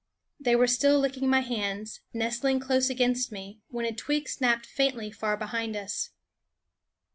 They were still licking my hands, nestling close against me, when a twig snapped faintly far behind us.